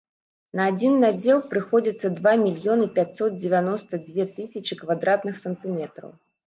На адзін надзел прыходзіцца два мільёны пяцьсот дзевяноста дзве тысячы квадратных сантыметраў!